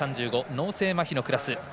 脳性まひのクラス。